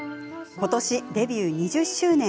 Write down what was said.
ことしデビュー２０周年。